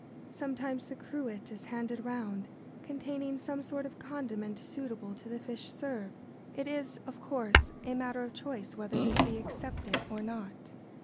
Sometimes the cruet is handed round, containing some sort of condiment suitable to the fish served. It is, of course, a matter of choice whether this be accepted or not.